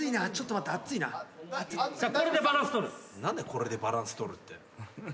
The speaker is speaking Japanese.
「これでバランス取る」って。